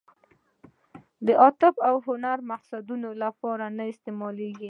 د عاطفي او هنري مقصدونو لپاره نه استعمالېږي.